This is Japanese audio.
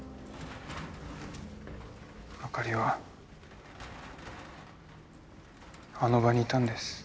朱莉はあの場にいたんです。